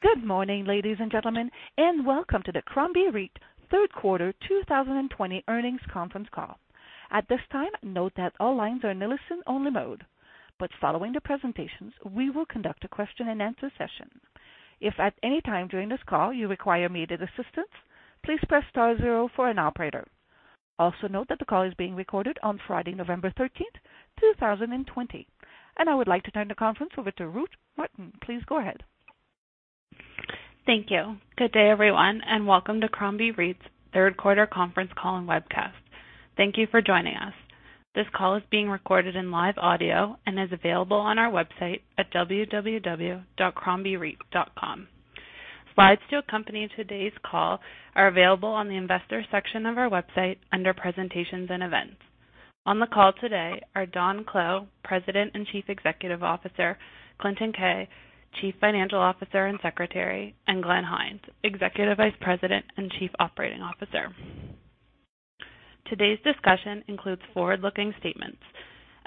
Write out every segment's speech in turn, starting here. Good morning, ladies and gentlemen, welcome to the Crombie REIT third quarter 2020 earnings conference call. At this time, note that all lines are in listen only mode. Following the presentations, we will conduct a question and answer session. If at any time during this call you require immediate assistance, please press star zero for an operator. Also note that the call is being recorded on Friday, November 13th, 2020. I would like to turn the conference over to Ruth Martin. Please go ahead. Thank you. Good day, everyone, and welcome to Crombie REIT's third quarter conference call and webcast. Thank you for joining us. This call is being recorded in live audio and is available on our website at www.crombiereit.com. Slides to accompany today's call are available on the investor section of our website under presentations and events. On the call today are Don Clow, President and Chief Executive Officer, Clinton Keay, Chief Financial Officer and Secretary, and Glenn Hynes, Executive Vice President and Chief Operating Officer. Today's discussion includes forward-looking statements.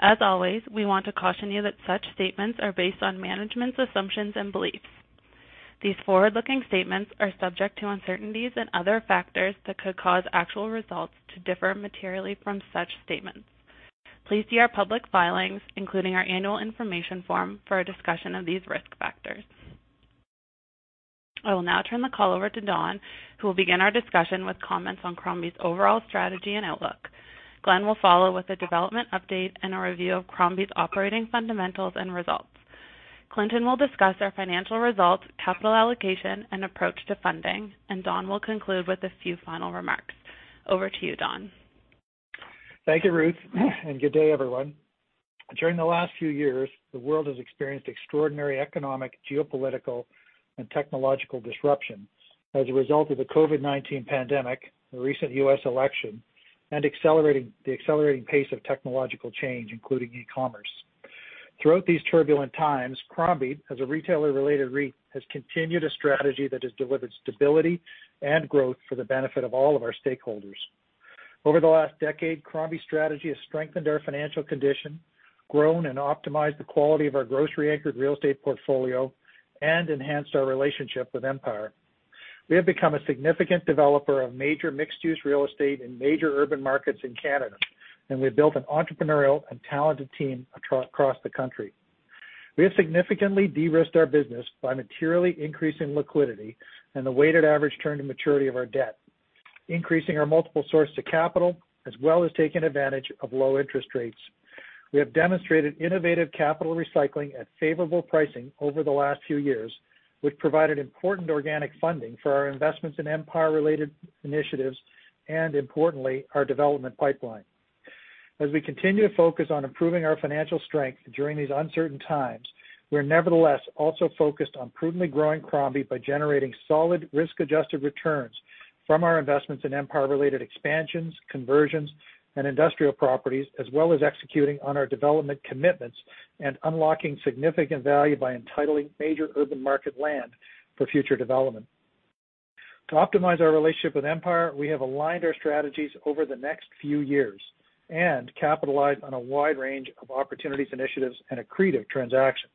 As always, we want to caution you that such statements are based on management's assumptions and beliefs. These forward-looking statements are subject to uncertainties and other factors that could cause actual results to differ materially from such statements. Please see our public filings, including our annual information form, for a discussion of these risk factors. I will now turn the call over to Don, who will begin our discussion with comments on Crombie's overall strategy and outlook. Glenn will follow with a development update and a review of Crombie's operating fundamentals and results. Clinton will discuss our financial results, capital allocation, and approach to funding, and Don will conclude with a few final remarks. Over to you, Don. Thank you, Ruth, and good day, everyone. During the last few years, the world has experienced extraordinary economic, geopolitical, and technological disruption as a result of the COVID-19 pandemic, the recent U.S. election, and the accelerating pace of technological change, including e-commerce. Throughout these turbulent times, Crombie, as a retailer-related REIT, has continued a strategy that has delivered stability and growth for the benefit of all of our stakeholders. Over the last decade, Crombie's strategy has strengthened our financial condition, grown and optimized the quality of our grocery-anchored real estate portfolio, and enhanced our relationship with Empire. We have become a significant developer of major mixed-use real estate in major urban markets in Canada, and we've built an entrepreneurial and talented team across the country. We have significantly de-risked our business by materially increasing liquidity and the weighted average term to maturity of our debt, increasing our multiple sources of capital, as well as taking advantage of low interest rates. We have demonstrated innovative capital recycling at favorable pricing over the last few years, which provided important organic funding for our investments in Empire-related initiatives and importantly, our development pipeline. As we continue to focus on improving our financial strength during these uncertain times, we are nevertheless also focused on prudently growing Crombie by generating solid risk-adjusted returns from our investments in Empire-related expansions, conversions, and industrial properties, as well as executing on our development commitments and unlocking significant value by entitling major urban market land for future development. To optimize our relationship with Empire, we have aligned our strategies over the next few years and capitalized on a wide range of opportunities, initiatives, and accretive transactions.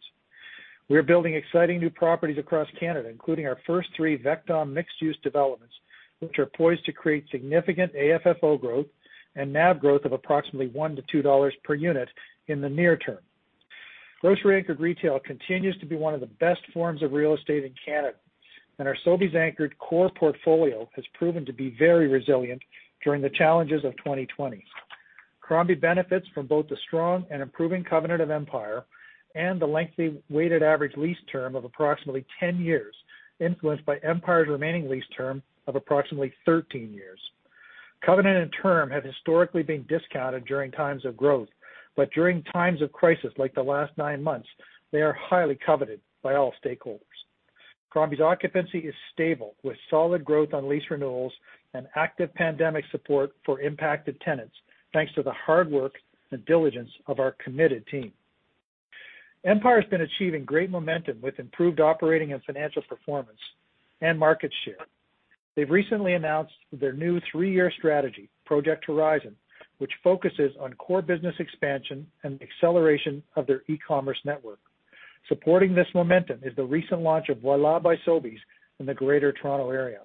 We are building exciting new properties across Canada, including our first three Vectum mixed-use developments, which are poised to create significant AFFO growth and NAV growth of approximately 1 to 2 dollars per unit in the near term. Grocery-anchored retail continues to be one of the best forms of real estate in Canada, and our Sobeys-anchored core portfolio has proven to be very resilient during the challenges of 2020. Crombie benefits from both the strong and improving covenant of Empire and the lengthy weighted average lease term of approximately 10 years, influenced by Empire's remaining lease term of approximately 13 years. Covenant and term have historically been discounted during times of growth, but during times of crisis like the last nine months, they are highly coveted by all stakeholders. Crombie's occupancy is stable, with solid growth on lease renewals and active pandemic support for impacted tenants, thanks to the hard work and diligence of our committed team. Empire has been achieving great momentum with improved operating and financial performance and market share. They've recently announced their new three-year strategy, Project Horizon, which focuses on core business expansion and acceleration of their e-commerce network. Supporting this momentum is the recent launch of Voilà by Sobeys in the Greater Toronto Area.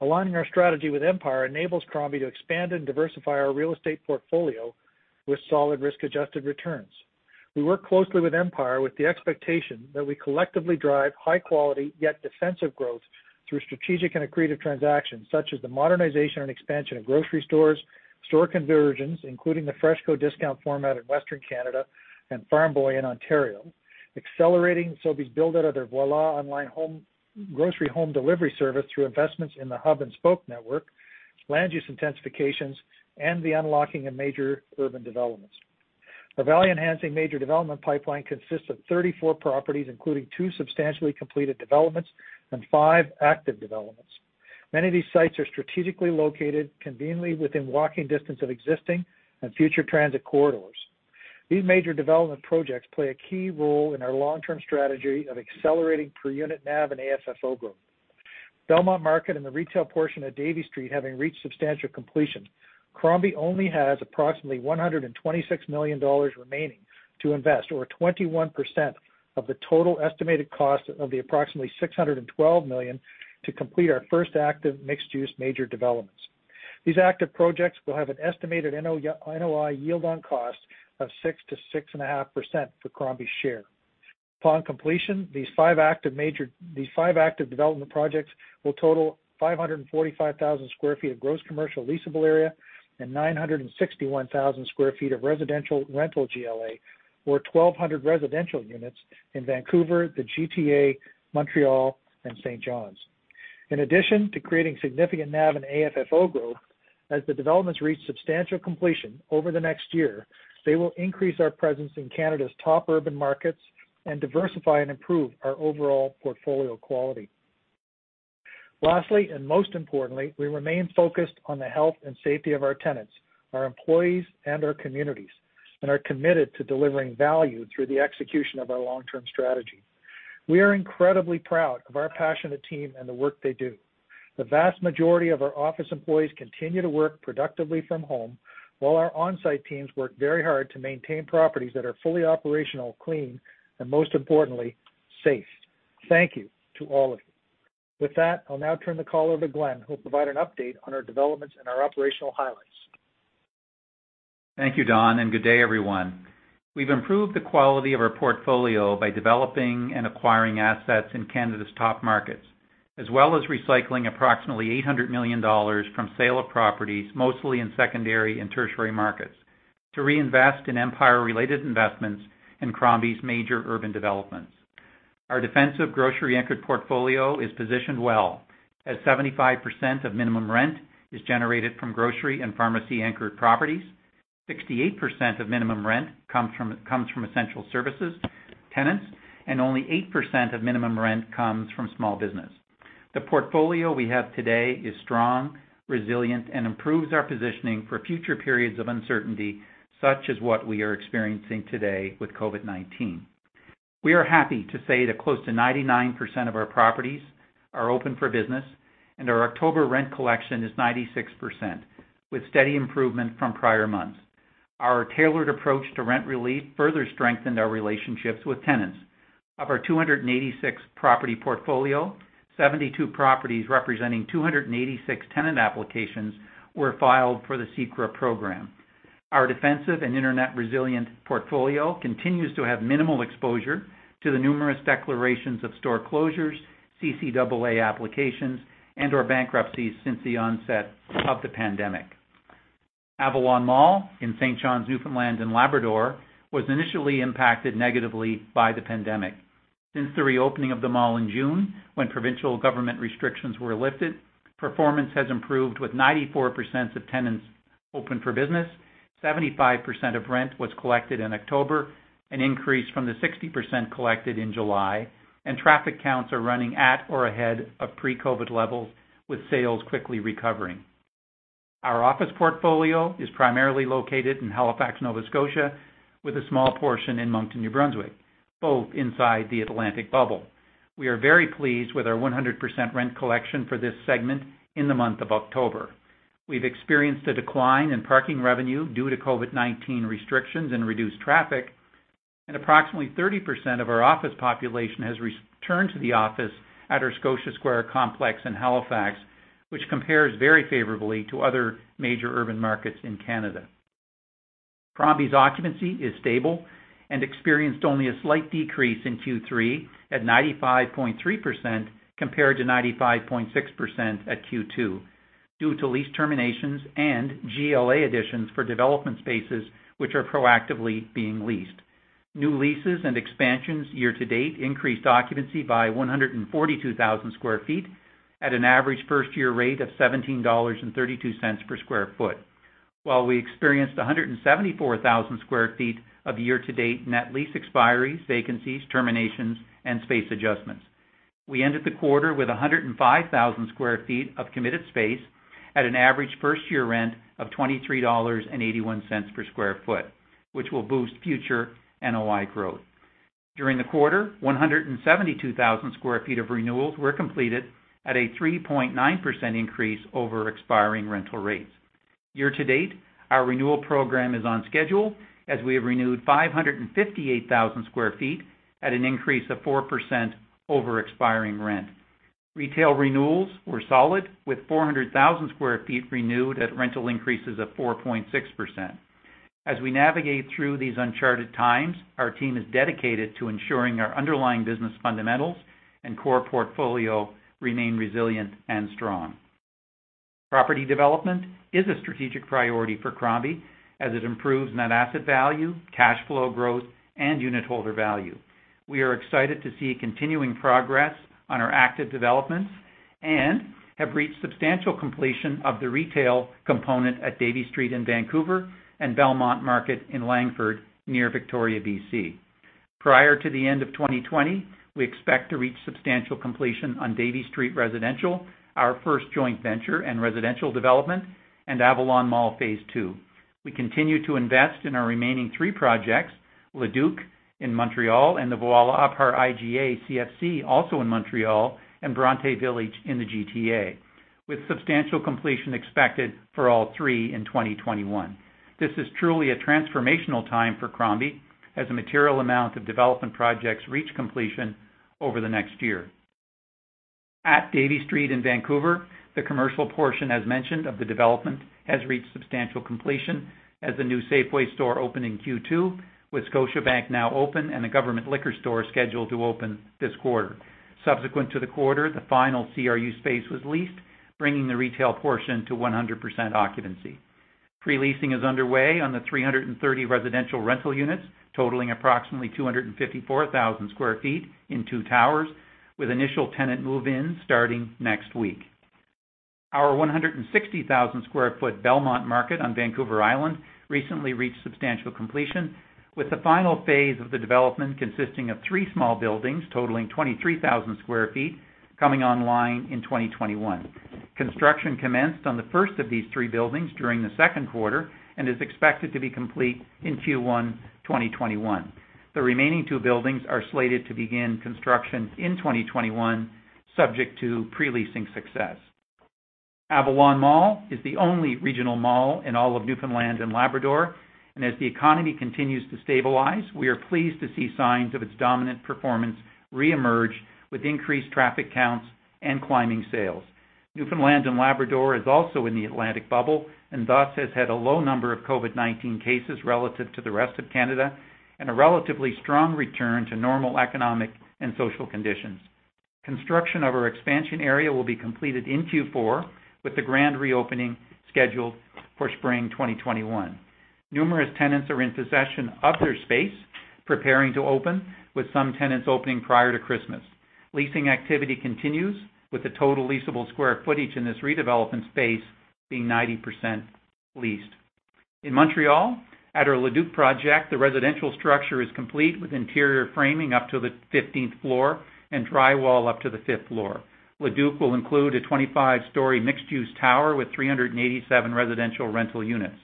Aligning our strategy with Empire enables Crombie to expand and diversify our real estate portfolio with solid risk adjusted returns. We work closely with Empire with the expectation that we collectively drive high quality, yet defensive growth through strategic and accretive transactions, such as the modernization and expansion of grocery stores, store conversions, including the FreshCo discount format in Western Canada and Farm Boy in Ontario, accelerating Sobeys build out of their Voilà online grocery home delivery service through investments in the hub and spoke network, land use intensifications, and the unlocking of major urban developments. The value enhancing major development pipeline consists of 34 properties, including two substantially completed developments and five active developments. Many of these sites are strategically located conveniently within walking distance of existing and future transit corridors. These major development projects play a key role in our long term strategy of accelerating per unit NAV and AFFO growth, Belmont Market and the retail portion of Davie Street having reached substantial completion. Crombie only has approximately 126 million dollars remaining to invest, or 21% of the total estimated cost of the approximately 612 million to complete our first active mixed-use major developments. These active projects will have an estimated NOI yield on cost of 6%-6.5% for Crombie's share. Upon completion, these five active development projects will total 545,000 sq ft of gross commercial leasable area and 961,000 sq ft of residential rental GLA or 1,200 residential units in Vancouver, the GTA, Montreal, and St. John's. In addition to creating significant NAV and AFFO growth, as the developments reach substantial completion over the next year, they will increase our presence in Canada's top urban markets and diversify and improve our overall portfolio quality. Lastly, and most importantly, we remain focused on the health and safety of our tenants, our employees, and our communities, and are committed to delivering value through the execution of our long-term strategy. We are incredibly proud of our passionate team and the work they do. The vast majority of our office employees continue to work productively from home, while our on-site teams work very hard to maintain properties that are fully operational, clean, and most importantly, safe. Thank you to all of you. With that, I'll now turn the call over to Glenn, who'll provide an update on our developments and our operational highlights. Thank you, Don, and good day everyone. We've improved the quality of our portfolio by developing and acquiring assets in Canada's top markets, as well as recycling approximately 800 million dollars from sale of properties, mostly in secondary and tertiary markets, to reinvest in Empire-related investments in Crombie's major urban developments. Our defensive grocery-anchored portfolio is positioned well, as 75% of minimum rent is generated from grocery and pharmacy-anchored properties. 68% of minimum rent comes from essential services tenants, and only 8% of minimum rent comes from small business. The portfolio we have today is strong, resilient, and improves our positioning for future periods of uncertainty, such as what we are experiencing today with COVID-19. We are happy to say that close to 99% of our properties are open for business, and our October rent collection is 96%, with steady improvement from prior months. Our tailored approach to rent relief further strengthened our relationships with tenants. Of our 286 property portfolio, 72 properties representing 286 tenant applications were filed for the CECRA program. Our defensive and internet resilient portfolio continues to have minimal exposure to the numerous declarations of store closures, CCAA applications, and/or bankruptcies since the onset of the pandemic. Avalon Mall in St. John's, Newfoundland and Labrador was initially impacted negatively by the pandemic. Since the reopening of the mall in June, when provincial government restrictions were lifted, performance has improved with 94% of tenants open for business, 75% of rent was collected in October, an increase from the 60% collected in July, and traffic counts are running at or ahead of pre-COVID levels, with sales quickly recovering. Our office portfolio is primarily located in Halifax, Nova Scotia, with a small portion in Moncton, New Brunswick, both inside the Atlantic bubble. We are very pleased with our 100% rent collection for this segment in the month of October. We've experienced a decline in parking revenue due to COVID-19 restrictions and reduced traffic, and approximately 30% of our office population has returned to the office at our Scotia Square complex in Halifax, which compares very favorably to other major urban markets in Canada. Crombie's occupancy is stable and experienced only a slight decrease in Q3 at 95.3% compared to 95.6% at Q2 due to lease terminations and GLA additions for development spaces, which are proactively being leased. New leases and expansions year to date increased occupancy by 142,000 sq ft at an average first-year rate of 17.32 dollars per sq ft. While we experienced 174,000 sq ft of year to date net lease expiries, vacancies, terminations, and space adjustments. We ended the quarter with 105,000 sq ft of committed space at an average first-year rent of 23.81 dollars per square foot, which will boost future NOI growth. During the quarter, 172,000 square feet of renewals were completed at a 3.9% increase over expiring rental rates. Year to date, our renewal program is on schedule as we have renewed 558,000 sq ft at an increase of 4% over expiring rent. Retail renewals were solid with 400,000 sq ft renewed at rental increases of 4.6%. As we navigate through these uncharted times, our team is dedicated to ensuring our underlying business fundamentals and core portfolio remain resilient and strong. Property development is a strategic priority for Crombie as it improves net asset value, cash flow growth, and unit holder value. We are excited to see continuing progress on our active developments and have reached substantial completion of the retail component at Davie Street in Vancouver and Belmont Market in Langford near Victoria, BC. Prior to the end of 2020, we expect to reach substantial completion on Davie Street Residential, our first joint venture and residential development, and Avalon Mall phase II. We continue to invest in our remaining three projects, Le Duke in Montreal, and the Voilà par IGA CFC also in Montreal, and Bronte Village in the GTA, with substantial completion expected for all three in 2021. This is truly a transformational time for Crombie as a material amount of development projects reach completion over the next year. At Davie Street in Vancouver, the commercial portion, as mentioned, of the development has reached substantial completion as the new Safeway store opened in Q2, with Scotiabank now open and a government liquor store scheduled to open this quarter. Subsequent to the quarter, the final CRU space was leased, bringing the retail portion to 100% occupancy. Pre-leasing is underway on the 330 residential rental units, totaling approximately 254,000 sq ft in two towers, with initial tenant move-ins starting next week. Our 160,000 sq ft Belmont market on Vancouver Island recently reached substantial completion with the final phase of the development consisting of three small buildings totaling 23,000 sq ft coming online in 2021. Construction commenced on the first of these three buildings during the second quarter and is expected to be complete in Q1 2021. The remaining two buildings are slated to begin construction in 2021, subject to pre-leasing success. Avalon Mall is the only regional mall in all of Newfoundland and Labrador, and as the economy continues to stabilize, we are pleased to see signs of its dominant performance reemerge with increased traffic counts and climbing sales. Newfoundland and Labrador is also in the Atlantic Bubble and thus has had a low number of COVID-19 cases relative to the rest of Canada and a relatively strong return to normal economic and social conditions. Construction of our expansion area will be completed in Q4 with the grand reopening scheduled for spring 2021. Numerous tenants are in possession of their space preparing to open, with some tenants opening prior to Christmas. Leasing activity continues with the total leasable square footage in this redevelopment space being 90% leased. In Montreal, at our Le Duke project, the residential structure is complete with interior framing up to the 15th floor and drywall up to the fifth floor. Le Duke will include a 25-story mixed-use tower with 387 residential rental units.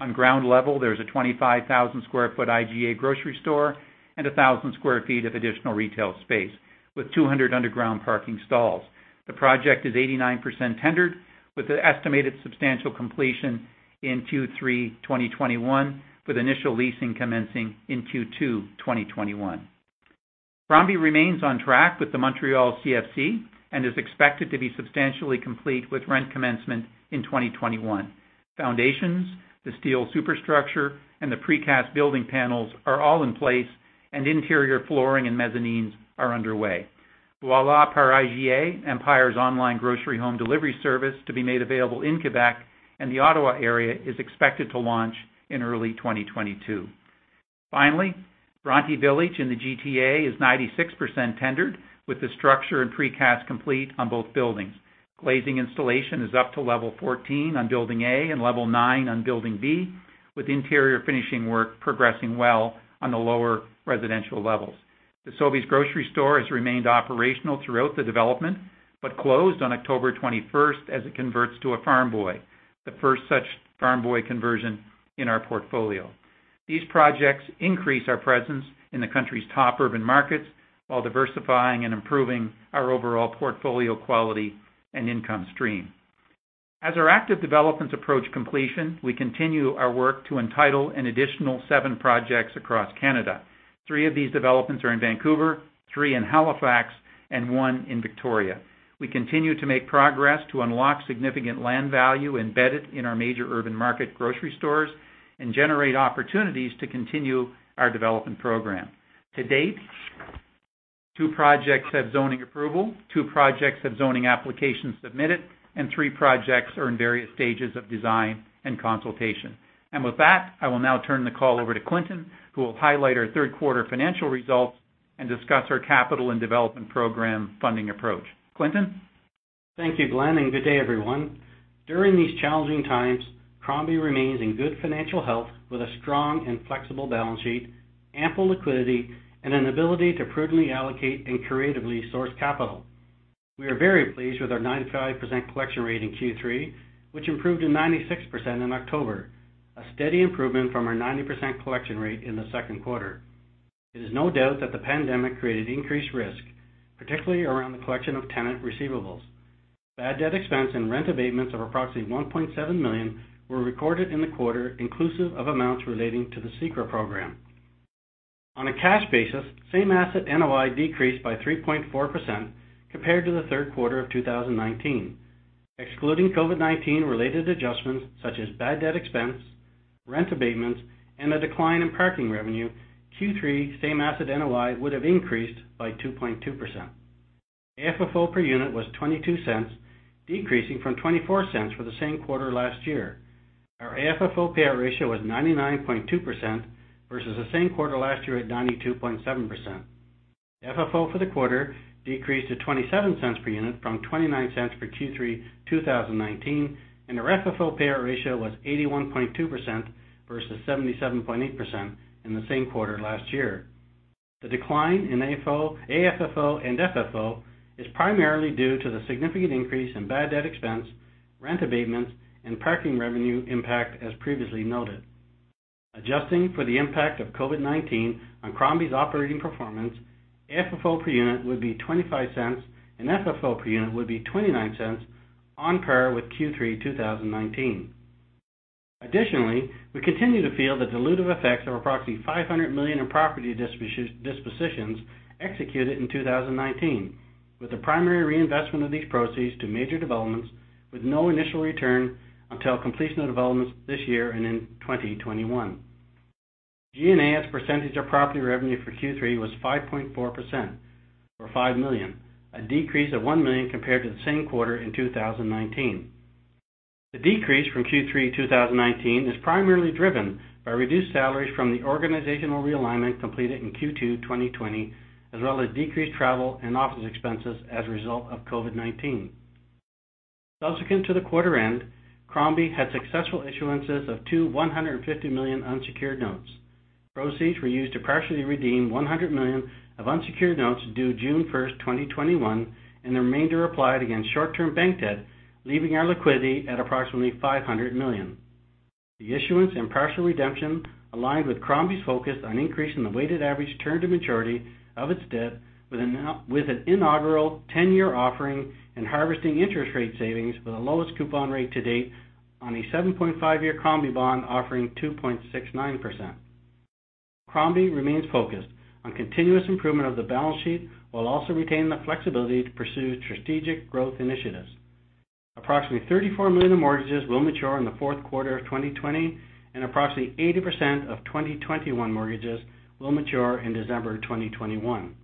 On ground level, there is a 25,000 sq ft IGA grocery store and 1,000 sq ft of additional retail space with 200 underground parking stalls. The project is 89% tendered with an estimated substantial completion in Q3 2021 with initial leasing commencing in Q2 2021. Crombie remains on track with the Montreal CFC and is expected to be substantially complete with rent commencement in 2021. Foundations, the steel superstructure, and the precast building panels are all in place and interior flooring and mezzanines are underway. Voilà par IGA, Empire's online grocery home delivery service to be made available in Quebec and the Ottawa area is expected to launch in early 2022. Bronte Village in the GTA is 96% tendered with the structure and precast complete on both buildings. Glazing installation is up to level 14 on building A and level 9 on building B with interior finishing work progressing well on the lower residential levels. The Sobeys grocery store has remained operational throughout the development but closed on October 21st as it converts to a Farm Boy, the first such Farm Boy conversion in our portfolio. These projects increase our presence in the country's top urban markets while diversifying and improving our overall portfolio quality and income stream. As our active developments approach completion, we continue our work to entitle an additional seven projects across Canada. Three of these developments are in Vancouver, three in Halifax, and one in Victoria. We continue to make progress to unlock significant land value embedded in our major urban market grocery stores and generate opportunities to continue our development program. To date, two projects have zoning approval, two projects have zoning applications submitted, and three projects are in various stages of design and consultation. With that, I will now turn the call over to Clinton, who will highlight our third quarter financial results and discuss our capital and development program funding approach. Clinton? Thank you, Glenn, and good day, everyone. During these challenging times, Crombie remains in good financial health with a strong and flexible balance sheet, ample liquidity, and an ability to prudently allocate and creatively source capital. We are very pleased with our 95% collection rate in Q3, which improved to 96% in October, a steady improvement from our 90% collection rate in the second quarter. It is no doubt that the pandemic created increased risk, particularly around the collection of tenant receivables. Bad debt expense and rent abatements of approximately 1.7 million were recorded in the quarter inclusive of amounts relating to the CECRA program. On a cash basis, same asset NOI decreased by 3.4% compared to the third quarter of 2019. Excluding COVID-19 related adjustments such as bad debt expense, rent abatements, and a decline in parking revenue, Q3 same asset NOI would have increased by 2.2%. AFFO per unit was 0.22, decreasing from 0.24 for the same quarter last year. Our AFFO payout ratio was 99.2% versus the same quarter last year at 92.7%. FFO for the quarter decreased to 0.27 per unit from 0.29 for Q3 2019, and our FFO payout ratio was 81.2% versus 77.8% in the same quarter last year. The decline in AFFO and FFO is primarily due to the significant increase in bad debt expense, rent abatements, and parking revenue impact as previously noted. Adjusting for the impact of COVID-19 on Crombie's operating performance, AFFO per unit would be 0.25, and FFO per unit would be 0.29 on par with Q3 2019. Additionally, we continue to feel the dilutive effects of approximately 500 million in property dispositions executed in 2019, with the primary reinvestment of these proceeds to major developments with no initial return until completion of developments this year and in 2021. G&A as a percentage of property revenue for Q3 was 5.4%, or 5 million. A decrease of 1 million compared to the same quarter in 2019. The decrease from Q3 2019 is primarily driven by reduced salaries from the organizational realignment completed in Q2 2020, as well as decreased travel and office expenses as a result of COVID-19. Subsequent to the quarter end, Crombie had successful issuances of two 150 million unsecured notes. Proceeds were used to partially redeem 100 million of unsecured notes due June 1st, 2021, and the remainder applied against short-term bank debt, leaving our liquidity at approximately 500 million. The issuance and partial redemption aligned with Crombie's focus on increasing the weighted average term to maturity of its debt with an inaugural 10-year offering and harvesting interest rate savings with the lowest coupon rate to date on a 7.5-year Crombie bond offering 2.69%. Crombie remains focused on continuous improvement of the balance sheet, while also retaining the flexibility to pursue strategic growth initiatives. Approximately 34 million of mortgages will mature in the fourth quarter of 2020, and approximately 80% of 2021 mortgages will mature in December 2021.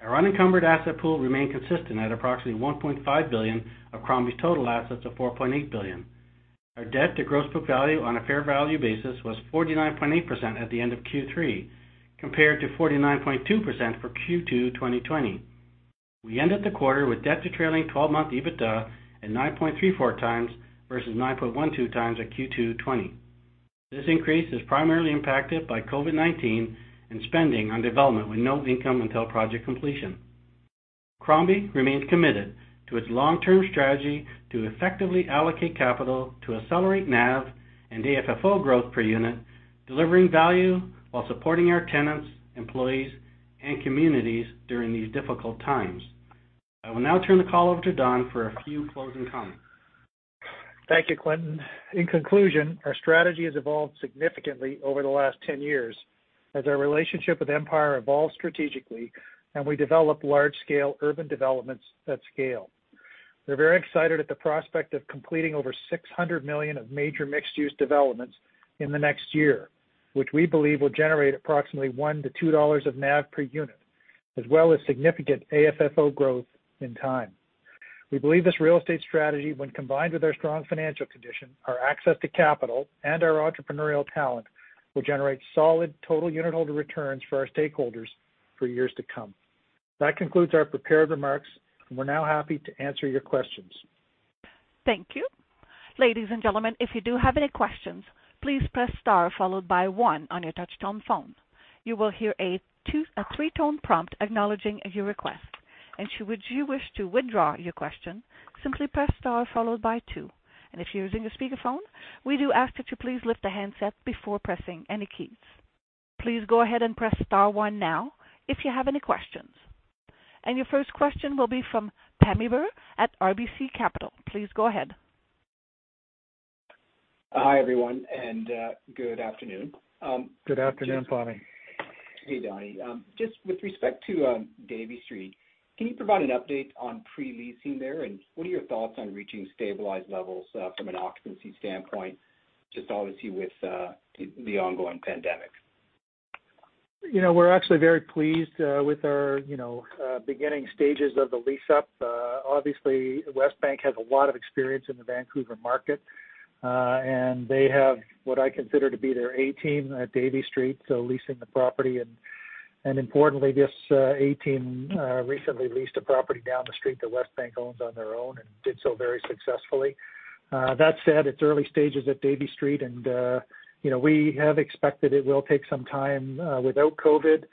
Our unencumbered asset pool remained consistent at approximately 1.5 billion of Crombie's total assets of 4.8 billion. Our debt to gross book value on a fair value basis was 49.8% at the end of Q3, compared to 49.2% for Q2 2020. We ended the quarter with debt to trailing 12-month EBITDA at 9.34 times versus 9.12x at Q2 2020. This increase is primarily impacted by COVID-19 and spending on development with no income until project completion. Crombie remains committed to its long-term strategy to effectively allocate capital to accelerate NAV and AFFO growth per unit, delivering value while supporting our tenants, employees, and communities during these difficult times. I will now turn the call over to Don for a few closing comments. Thank you, Clinton. In conclusion, our strategy has evolved significantly over the last 10 years as our relationship with Empire evolved strategically and we developed large-scale urban developments at scale. We're very excited at the prospect of completing over 600 million of major mixed-use developments in the next year, which we believe will generate approximately 1-2 dollars of NAV per unit, as well as significant AFFO growth in time. We believe this real estate strategy, when combined with our strong financial condition, our access to capital, and our entrepreneurial talent, will generate solid total unitholder returns for our stakeholders for years to come. That concludes our prepared remarks, and we're now happy to answer your questions. Thank you. Ladies and gentlemen, if you do have any questions, please press star followed by one on your touchstone phone. You will hear a three-tone prompt acknowledging your request, and should you wish to withdraw your question, simply press star followed by two. If you're using a speakerphone, we do ask that you please lift the handset before pressing any keys. Please go ahead and press star one now if you have any questions. Your first question will be from Pammi Bir at RBC Capital. Please go ahead. Hi, everyone, and good afternoon. Good afternoon, Pammi. Hey, Don. Just with respect to Davie Street, can you provide an update on pre-leasing there? What are your thoughts on reaching stabilized levels from an occupancy standpoint, just obviously with the ongoing pandemic? We're actually very pleased with our beginning stages of the lease up. Obviously, Westbank has a lot of experience in the Vancouver market. They have what I consider to be their A team at Davie Street leasing the property. Importantly, this A team recently leased a property down the street that Westbank owns on their own and did so very successfully. That said, it's early stages at Davie Street. We have expected it will take some time without COVID-19.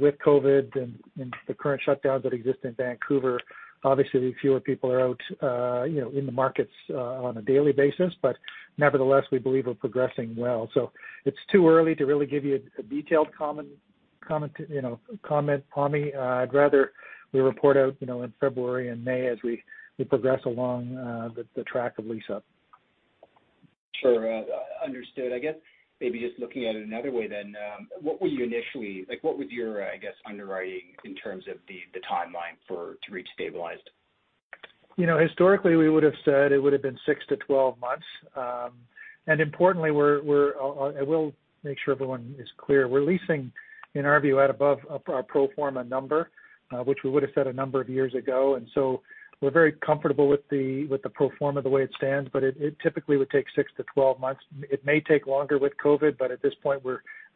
With COVID-19 and the current shutdowns that exist in Vancouver, obviously fewer people are out in the markets on a daily basis. Nevertheless, we believe we're progressing well. It's too early to really give you a detailed comment, Pammi. I'd rather we report out in February and May as we progress along the track of lease up. Sure. Understood. I guess maybe just looking at it another way, what was your, I guess, underwriting in terms of the timeline to reach stabilized? Historically, we would've said it would've been 6 to 12 months. Importantly, I will make sure everyone is clear. We're leasing, in our view, at above our pro forma number, which we would've said a number of years ago. We're very comfortable with the pro forma the way it stands, but it typically would take 6 to 12 months. It may take longer with COVID-19, but at this point,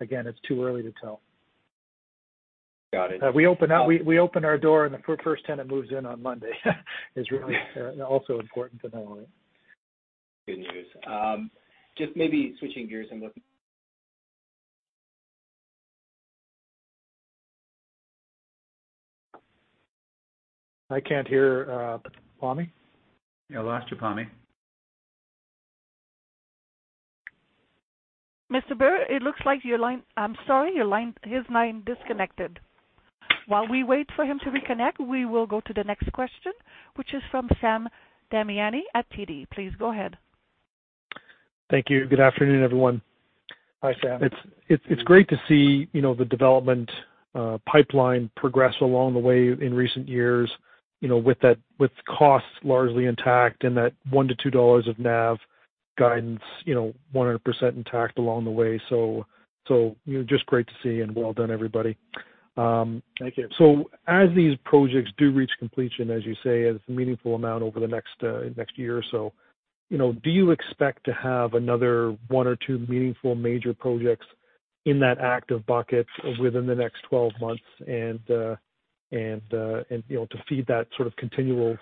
again, it's too early to tell. Got it. We open our door, and the first tenant moves in on Monday is really also important to know. Good news. Just maybe switching gears and looking. I can't hear Pammi. Yeah, lost you, Pammi. Mr. Bir, I'm sorry. His line disconnected. While we wait for him to reconnect, we will go to the next question, which is from Sam Damiani at TD. Please go ahead. Thank you. Good afternoon, everyone. Hi, Sam. It's great to see the development pipeline progress along the way in recent years, with costs largely intact and that 1-2 dollars of NAV guidance 100% intact along the way. Just great to see, and well done, everybody. Thank you. As these projects do reach completion, as you say, as a meaningful amount over the next year or so, do you expect to have another one or two meaningful major projects in that active bucket within the next 12 months and to feed that sort of continual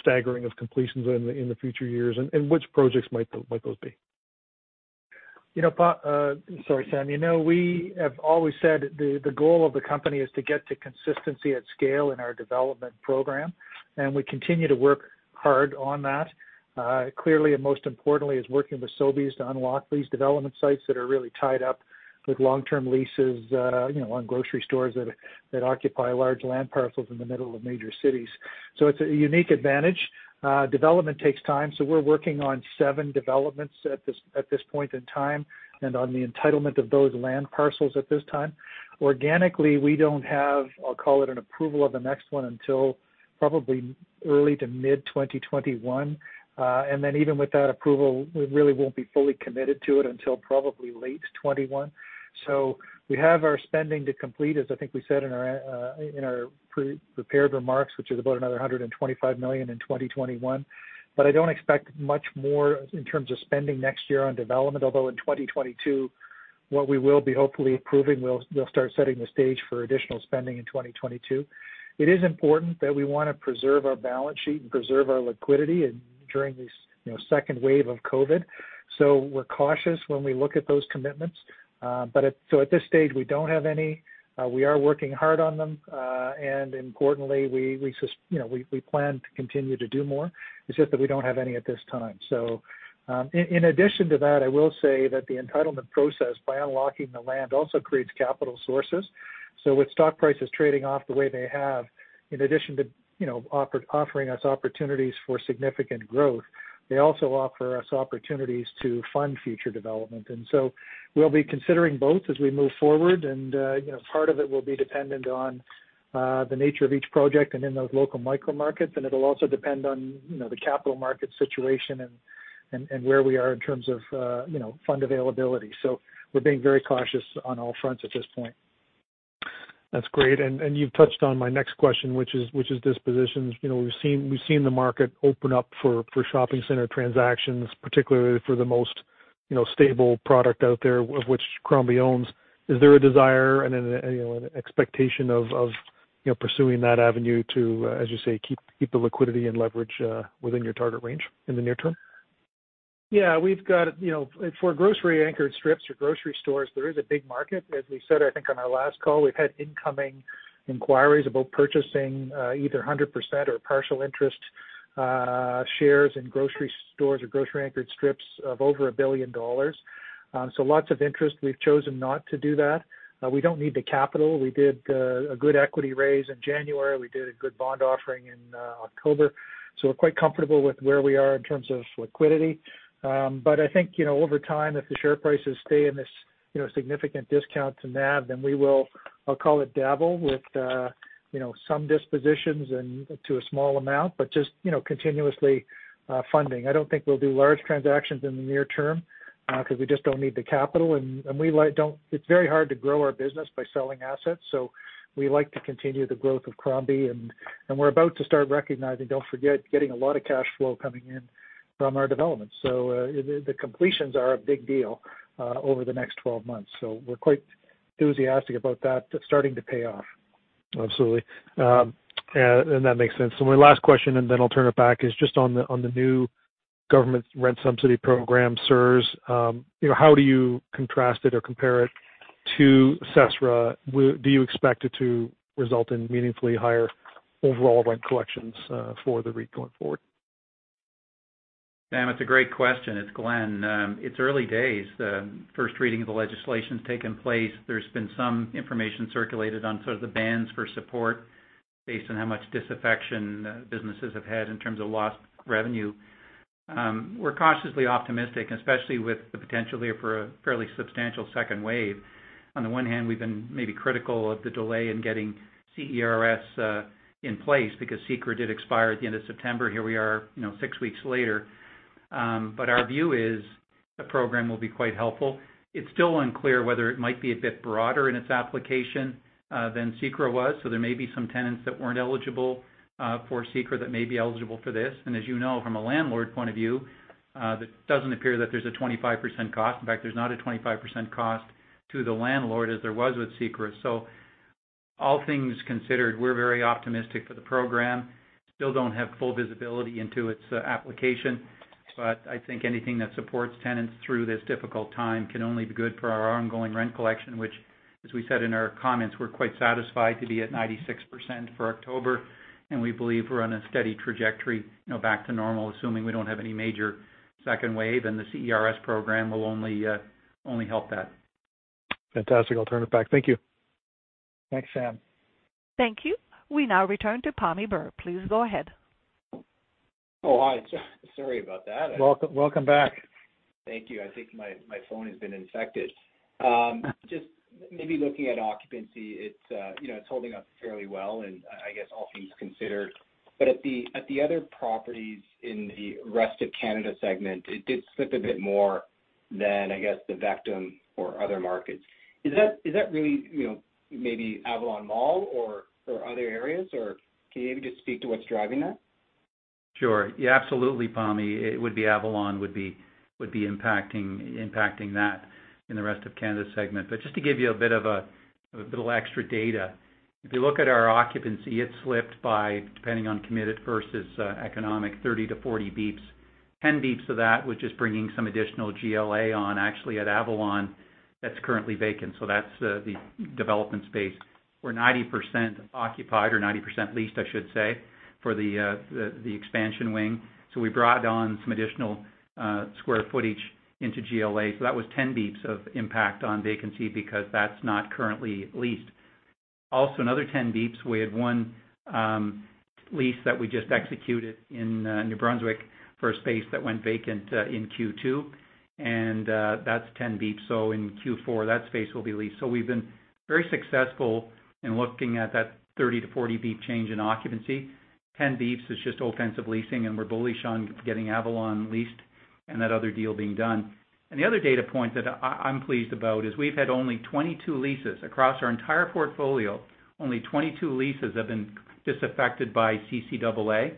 staggering of completions in the future years? Which projects might those be? Sorry, Sam. We have always said the goal of the company is to get to consistency at scale in our development program. We continue to work hard on that. Clearly, most importantly, is working with Sobeys to unlock these development sites that are really tied up with long-term leases on grocery stores that occupy large land parcels in the middle of major cities. It's a unique advantage. Development takes time. We're working on seven developments at this point in time and on the entitlement of those land parcels at this time. Organically, we don't have, I'll call it an approval of the next one until probably early to mid-2021. Even with that approval, we really won't be fully committed to it until probably late 2021. We have our spending to complete, as I think we said in our prepared remarks, which is about another 125 million in 2021. I don't expect much more in terms of spending next year on development. Although in 2022, what we will be hopefully approving, we'll start setting the stage for additional spending in 2022. It is important that we want to preserve our balance sheet and preserve our liquidity during this second wave of COVID-19. We're cautious when we look at those commitments. At this stage, we don't have any. We are working hard on them. Importantly, we plan to continue to do more. It's just that we don't have any at this time. In addition to that, I will say that the entitlement process by unlocking the land also creates capital sources. With stock prices trading off the way they have, in addition to offering us opportunities for significant growth, they also offer us opportunities to fund future development. We'll be considering both as we move forward, and part of it will be dependent on the nature of each project and in those local micro markets. It'll also depend on the capital market situation and where we are in terms of fund availability. We're being very cautious on all fronts at this point. That's great. You've touched on my next question, which is dispositions. We've seen the market open up for shopping center transactions, particularly for the most stable product out there, of which Crombie owns. Is there a desire and an expectation of pursuing that avenue to, as you say, keep the liquidity and leverage within your target range in the near term? Yeah. For grocery anchored strips or grocery stores, there is a big market. As we said, I think on our last call, we've had incoming inquiries about purchasing either 100% or partial interest shares in grocery stores or grocery anchored strips of over 1 billion dollars. Lots of interest. We've chosen not to do that. We don't need the capital. We did a good equity raise in January. We did a good bond offering in October. We're quite comfortable with where we are in terms of liquidity. I think over time, if the share prices stay in this significant discount to NAV, we will, I'll call it dabble with some dispositions and to a small amount, just continuously funding. I don't think we'll do large transactions in the near term because we just don't need the capital, and it's very hard to grow our business by selling assets. We like to continue the growth of Crombie, and we're about to start recognizing, don't forget, getting a lot of cash flow coming in from our developments. The completions are a big deal over the next 12 months. We're quite enthusiastic about that starting to pay off. Absolutely. That makes sense. My last question, and then I'll turn it back, is just on the new government rent subsidy program, CERS. How do you contrast it or compare it to CECRA? Do you expect it to result in meaningfully higher overall rent collections for the REIT going forward? Sam, it's a great question. It's Glenn. It's early days. The first reading of the legislation's taken place. There's been some information circulated on sort of the bands for support based on how much disaffection businesses have had in terms of lost revenue. We're cautiously optimistic, especially with the potential here for a fairly substantial second wave. On the one hand, we've been maybe critical of the delay in getting CERS in place because CECRA did expire at the end of September. Here we are six weeks later. Our view is the program will be quite helpful. It's still unclear whether it might be a bit broader in its application than CECRA was. There may be some tenants that weren't eligible for CECRA that may be eligible for this. As you know, from a landlord point of view, it doesn't appear that there's a 25% cost. In fact, there's not a 25% cost to the landlord as there was with CECRA. All things considered, we're very optimistic for the program. Still don't have full visibility into its application, but I think anything that supports tenants through this difficult time can only be good for our ongoing rent collection, which, as we said in our comments, we're quite satisfied to be at 96% for October, and we believe we're on a steady trajectory back to normal, assuming we don't have any major second wave, and the CERS program will only help that. Fantastic. I'll turn it back. Thank you. Thanks, Sam. Thank you. We now return to Pammi Bir. Please go ahead. Oh, hi. Sorry about that. Welcome back. Thank you. I think my phone has been infected. Just maybe looking at occupancy, it's holding up fairly well, and I guess all things considered, but at the other properties in the rest of Canada segment, it did slip a bit more than, I guess, the Vectum or other markets. Is that really maybe Avalon Mall or other areas? Can you maybe just speak to what's driving that? Sure. Yeah, absolutely, Pammi. It would be Avalon impacting that in the rest of Canada segment. Just to give you a bit of little extra data. If you look at our occupancy, it slipped by, depending on committed versus economic, 30-40 bps. 10 bps of that was just bringing some additional GLA on, actually, at Avalon that's currently vacant. That's the development space. We're 90% occupied or 90% leased, I should say, for the expansion wing. We brought on some additional square footage into GLA. That was 10 bps of impact on vacancy because that's not currently leased. Also another 10 bps, we had one lease that we just executed in New Brunswick for a space that went vacant in Q2, and that's 10 bps. In Q4, that space will be leased. We've been very successful in looking at that 30 to 40 basis point change in occupancy. 10 basis points is just offensive leasing, and we're bullish on getting Avalon leased and that other deal being done. The other data point that I'm pleased about is we've had only 22 leases. Across our entire portfolio, only 22 leases have been disaffected by CCAA.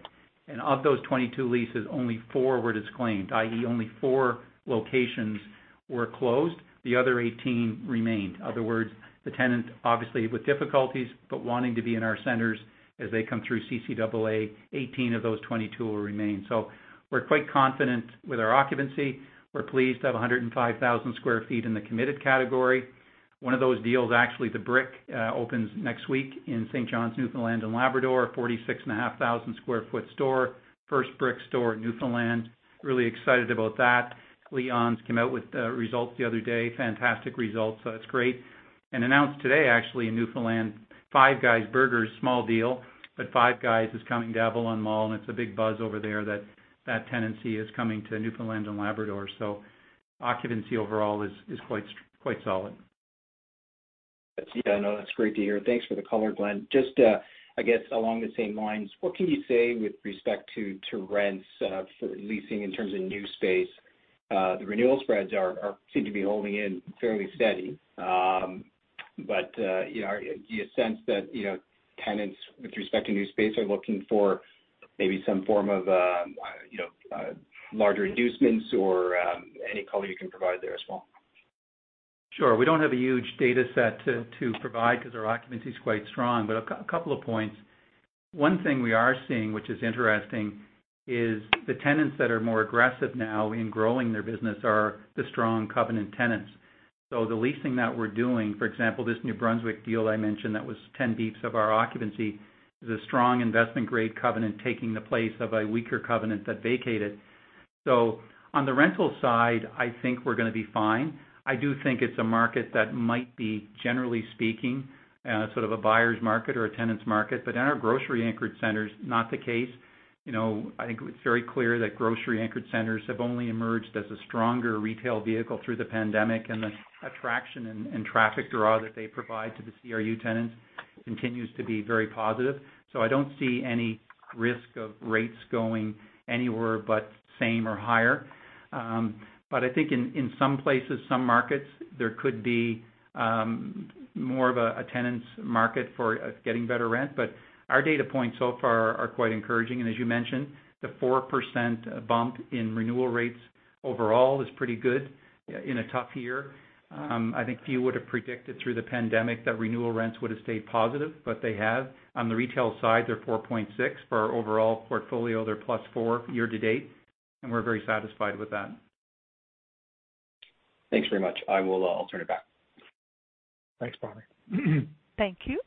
Of those 22 leases, only four were disclaimed, i.e., only four locations were closed. The other 18 remained. Other words, the tenant obviously with difficulties but wanting to be in our centers as they come through CCAA, 18 of those 22 will remain. We're quite confident with our occupancy. We're pleased to have 105,000 sq ft in the committed category. One of those deals, actually, The Brick, opens next week in St. John's, Newfoundland and Labrador, a 46,500 sq foot store. First Brick store in Newfoundland. Really excited about that. Leon's came out with results the other day. Fantastic results. That's great. Announced today, actually, in Newfoundland, Five Guys Burgers, small deal, but Five Guys is coming to Avalon Mall, and it's a big buzz over there that that tenancy is coming to Newfoundland and Labrador. Occupancy overall is quite solid. Yeah, no, that's great to hear. Thanks for the color, Glenn. Just, I guess along the same lines, what can you say with respect to rents for leasing in terms of new space? The renewal spreads seem to be holding in fairly steady. Do you sense that tenants with respect to new space are looking for maybe some form of larger inducements or any color you can provide there as well? We don't have a huge data set to provide because our occupancy is quite strong. A couple of points. One thing we are seeing, which is interesting, is the tenants that are more aggressive now in growing their business are the strong covenant tenants. The leasing that we're doing, for example, this New Brunswick deal I mentioned that was 10 basis points of our occupancy, is a strong investment-grade covenant taking the place of a weaker covenant that vacated. On the rental side, I think we're going to be fine. I do think it's a market that might be, generally speaking, sort of a buyer's market or a tenant's market. In our grocery anchored centers, not the case. I think it's very clear that grocery anchored centers have only emerged as a stronger retail vehicle through the pandemic, and the attraction and traffic draw that they provide to the CRU tenants continues to be very positive. I don't see any risk of rates going anywhere but same or higher. I think in some places, some markets, there could be more of a tenant's market for getting better rent. Our data points so far are quite encouraging. As you mentioned, the 4% bump in renewal rates overall is pretty good in a tough year. I think few would have predicted through the pandemic that renewal rents would have stayed positive, but they have. On the retail side, they're 4.6%. For our overall portfolio, they're +4% year-to-date. We're very satisfied with that. Thanks very much. I will turn it back. Thanks, Pammi. Thank you.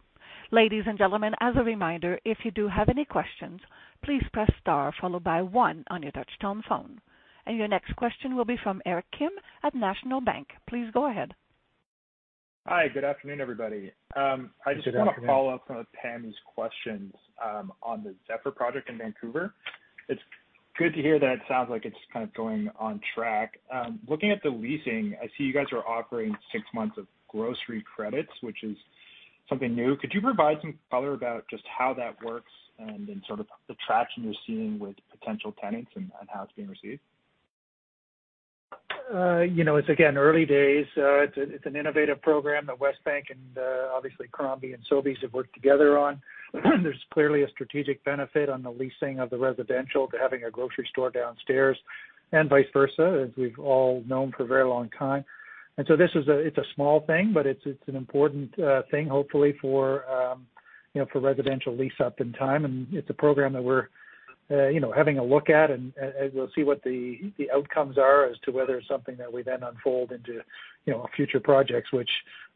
Ladies and gentlemen, as a reminder, if you do have any questions, please press star followed by one on your touchtone phone. Your next question will be from Eric Kim at National Bank. Please go ahead. Hi, good afternoon, everybody. Good afternoon. I just want to follow up on Pammi's questions on the Zephyr project in Vancouver. It's good to hear that it sounds like it's kind of going on track. Looking at the leasing, I see you guys are offering six months of grocery credits, which is something new. Could you provide some color about just how that works and then sort of the traction you're seeing with potential tenants and how it's being received? It's again, early days. It's an innovative program that Westbank and obviously Crombie and Sobeys have worked together on. There's clearly a strategic benefit on the leasing of the residential to having a grocery store downstairs. Vice versa, as we've all known for a very long time. It's a small thing, but it's an important thing, hopefully, for residential lease-up in time. It's a program that we're having a look at, and we'll see what the outcomes are as to whether it's something that we then unfold into future projects. Which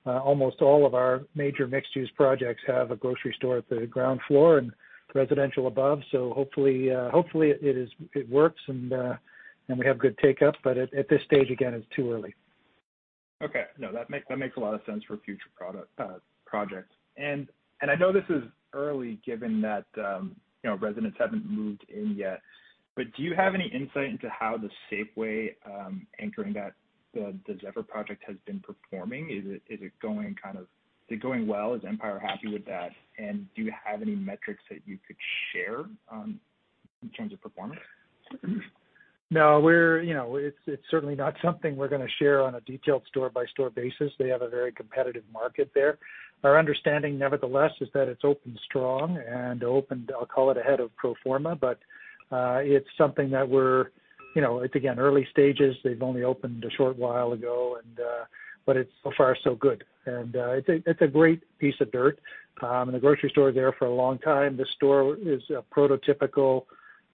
almost all of our major mixed-use projects have a grocery store at the ground floor and residential above. Hopefully, it works, and we have good take-up. At this stage, again, it's too early. Okay. No, that makes a lot of sense for future projects. I know this is early, given that residents haven't moved in yet, but do you have any insight into how the Safeway anchoring the Zephyr project has been performing? Is it going well? Is Empire happy with that? Do you have any metrics that you could share in terms of performance? No. It's certainly not something we're going to share on a detailed store-by-store basis. They have a very competitive market there. Our understanding, nevertheless, is that it's opened strong and opened, I'll call it, ahead of pro forma. It's again, early stages. They've only opened a short while ago. So far, so good. It's a great piece of dirt. The grocery store there for a long time. This store is a prototypical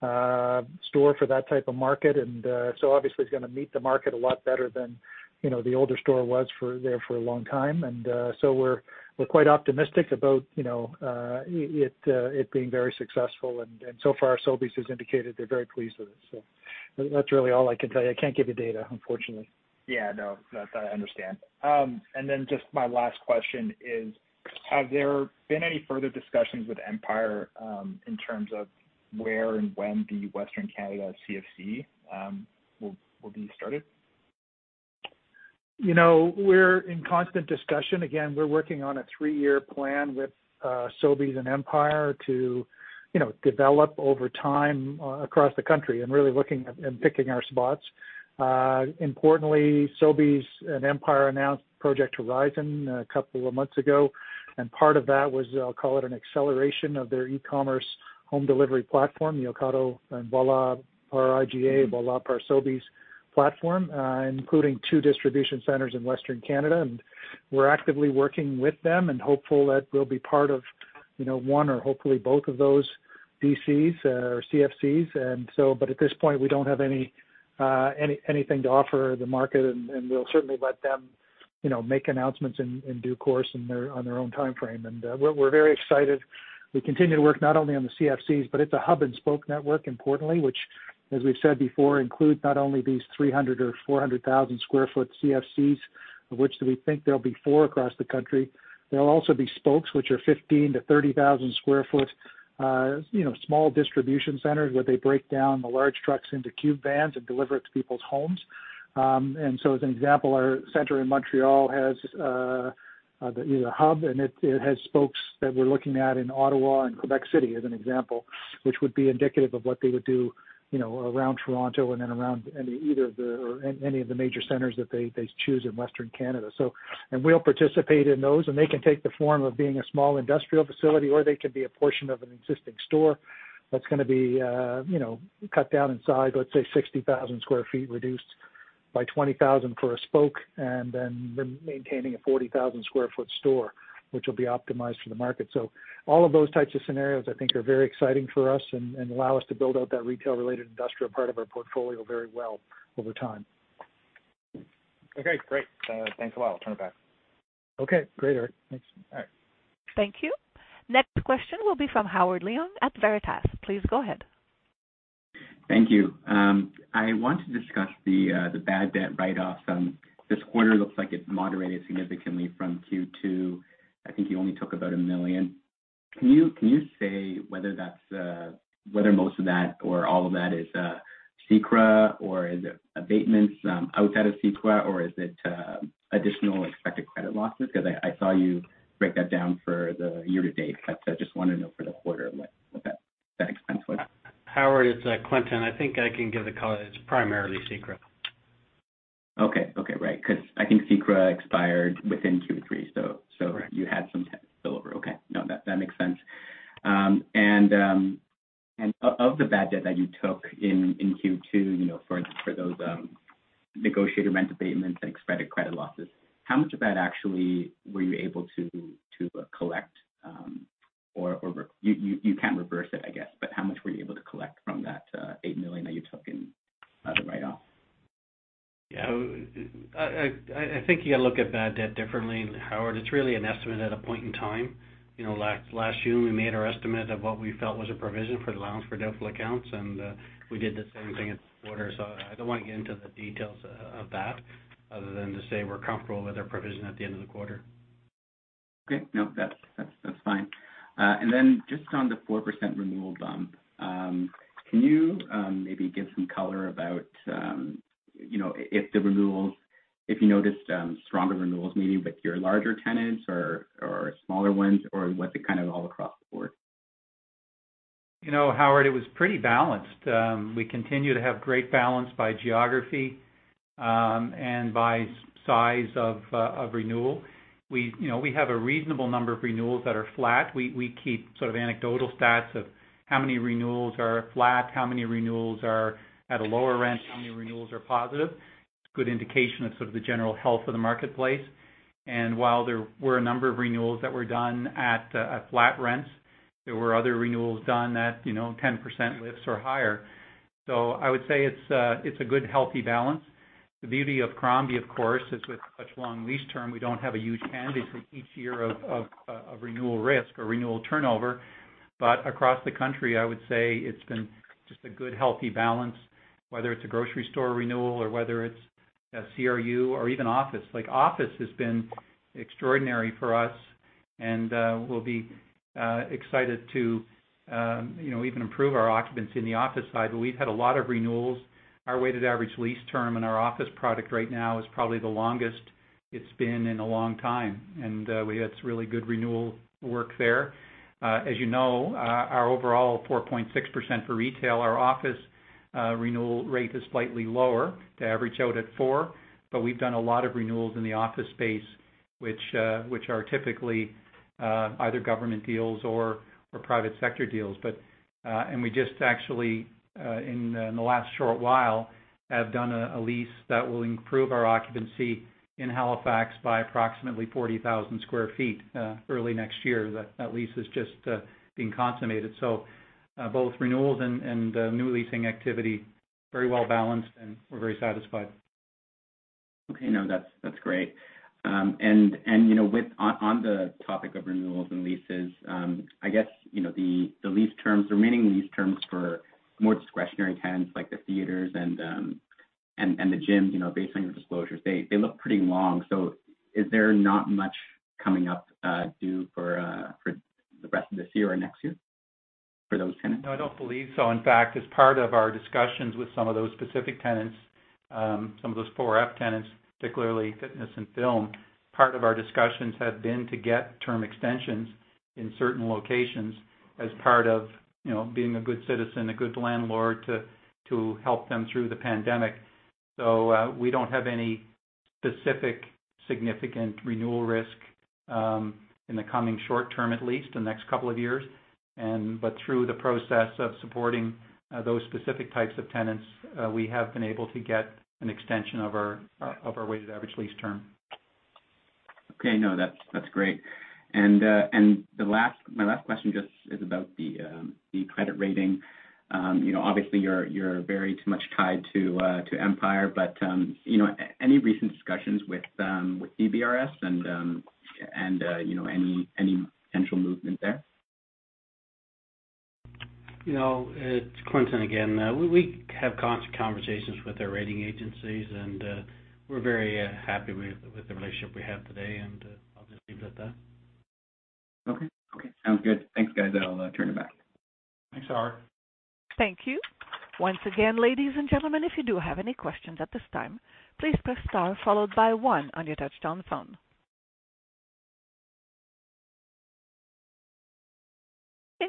store for that type of market. Obviously, it's going to meet the market a lot better than the older store was there for a long time. We're quite optimistic about it being very successful. So far, Sobeys has indicated they're very pleased with it. That's really all I can tell you. I can't give you data, unfortunately. Yeah, no. I understand. Just my last question is, have there been any further discussions with Empire in terms of where and when the Western Canada CFC will be started? We're in constant discussion. Again, we're working on a three-year plan with Sobeys and Empire to develop over time across the country and really looking and picking our spots. Importantly, Sobeys and Empire announced Project Horizon a couple of months ago. Part of that was, I'll call it, an acceleration of their e-commerce home delivery platform, Ocado and Voilà par IGA, Voilà for Sobeys platform, including two distribution centers in Western Canada. We're actively working with them and hopeful that we'll be part of one or hopefully both of those DCs or CFCs. At this point, we don't have anything to offer the market, and we'll certainly let them make announcements in due course on their own timeframe. We're very excited. We continue to work not only on the CFCs, but it's a hub-and-spoke network, importantly, which, as we've said before, includes not only these 300,000 or 400,000 sq ft CFCs, of which we think there'll be four across the country. There'll also be spokes, which are 15,000-30,000 sq ft small distribution centers where they break down the large trucks into cube vans and deliver it to people's homes. As an example, our center in Montreal has a hub, and it has spokes that we're looking at in Ottawa and Quebec City as an example, which would be indicative of what they would do around Toronto and then around any of the major centers that they choose in Western Canada. We'll participate in those, and they can take the form of being a small industrial facility, or they can be a portion of an existing store that's going to be cut down in size, let's say 60,000 sq ft reduced by 20,000 for a spoke, and then maintaining a 40,000 sq ft store, which will be optimized for the market. All of those types of scenarios I think are very exciting for us and allow us to build out that retail-related industrial part of our portfolio very well over time. Okay, great. Thanks a lot. I'll turn it back. Okay, great, Eric. Thanks. All right. Thank you. Next question will be from Howard Leung at Veritas. Please go ahead. Thank you. I want to discuss the bad debt write-offs. This quarter looks like it moderated significantly from Q2. I think you only took about 1 million. Can you say whether most of that or all of that is CECRA, or is it abatements outside of CECRA, or is it additional expected credit losses? I saw you break that down for the year to date, but I just want to know for the quarter what that expense was. Howard, it's Clinton. I think I can give the color. It's primarily CECRA. Okay. Right. I think CECRA expired within Q3. Right. You had some spill-over. Okay. No, that makes sense. Of the bad debt that you took in Q2 for those negotiated rent abatements and expected credit losses, how much of that actually were you able to collect? Or you can't reverse it, I guess, but how much were you able to collect from that 8 million that you took in the write-off? Yeah. I think you look at bad debt differently, Howard. It's really an estimate at a point in time. Last June, we made our estimate of what we felt was a provision for allowance for doubtful accounts, and we did the same thing at the quarter. I don't want to get into the details of that other than to say we're comfortable with our provision at the end of the quarter. Okay. No, that's fine. Just on the 4% renewal bump, can you maybe give some color about if you noticed stronger renewals maybe with your larger tenants or smaller ones, or was it kind of all across the board? Howard, it was pretty balanced. We continue to have great balance by geography. By size of renewal. We have a reasonable number of renewals that are flat. We keep sort of anecdotal stats of how many renewals are flat, how many renewals are at a lower rent, how many renewals are positive. It's a good indication of sort of the general health of the marketplace. While there were a number of renewals that were done at flat rents, there were other renewals done at 10% lifts or higher. I would say it's a good, healthy balance. The beauty of Crombie, of course, is with such long lease term, we don't have a huge candidate for each year of renewal risk or renewal turnover. Across the country, I would say it's been just a good, healthy balance, whether it's a grocery store renewal or whether it's a CRU or even office. Office has been extraordinary for us, and we'll be excited to even improve our occupancy in the office side. We've had a lot of renewals. Our weighted average lease term in our office product right now is probably the longest it's been in a long time, and we had some really good renewal work there. As you know, our overall 4.6% for retail. Our office renewal rate is slightly lower to average out at 4%, but we've done a lot of renewals in the office space, which are typically either government deals or private sector deals. We just actually, in the last short while, have done a lease that will improve our occupancy in Halifax by approximately 40,000 square feet early next year. That lease is just being consummated. Both renewals and new leasing activity, very well-balanced, and we're very satisfied. Okay. No, that's great. On the topic of renewals and leases, I guess, the remaining lease terms for more discretionary tenants, like the theaters and the gyms, based on your disclosures, they look pretty long. Is there not much coming up due for the rest of this year or next year for those tenants? No, I don't believe so. In fact, as part of our discussions with some of those specific tenants, some of those Five F's tenants, particularly fitness and Fun, part of our discussions have been to get term extensions in certain locations as part of being a good citizen, a good landlord, to help them through the pandemic. We don't have any specific significant renewal risk in the coming short term, at least the next couple of years. But through the process of supporting those specific types of tenants, we have been able to get an extension of our weighted average lease term. Okay. No, that's great. My last question just is about the credit rating. Obviously, you're very much tied to Empire, but any recent discussions with DBRS and any potential movement there? It's Clinton again. We have constant conversations with our rating agencies, and we're very happy with the relationship we have today, and I'll just leave it at that. Okay. Sounds good. Thanks, guys. I'll turn it back. Thanks, Howard. Thank you. Once again, ladies and gentlemen, if you do have any questions at this time, please press star followed by one on your touchtone phone.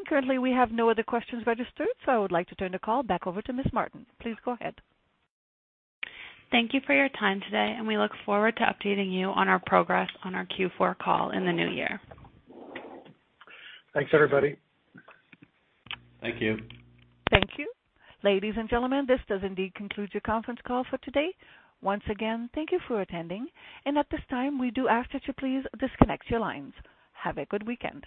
Currently, we have no other questions registered, so I would like to turn the call back over to Ms. Martin. Please go ahead. Thank you for your time today, and we look forward to updating you on our progress on our Q4 call in the new year. Thanks, everybody. Thank you. Thank you. Ladies and gentlemen, this does indeed conclude your conference call for today. Once again, thank you for attending, and at this time, we do ask that you please disconnect your lines. Have a good weekend.